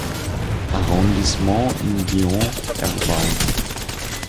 Arrondissement in Lyon erbaut.